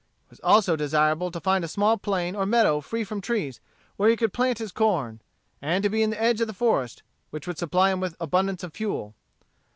It was also desirable to find a small plain or meadow free from trees, where he could plant his corn; and to be in the edge of the forest, which would supply him with abundance of fuel.